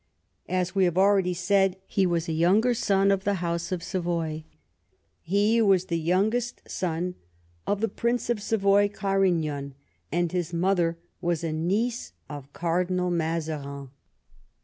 As we have already said, he was a younger son of the house of Savoy. He was the youngest son of the Prince of Savoy Carignan, and his mother was a niece of Cardinal Mazarin.